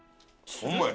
ホンマやね。